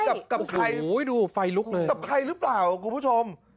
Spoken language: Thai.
กับใครดูไฟลุกเลยกับใครหรือเปล่าคุณผู้ชม